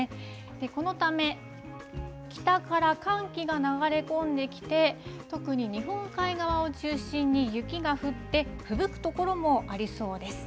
このため、北から寒気が流れ込んできて、特に日本海側を中心に雪が降って、ふぶく所もありそうです。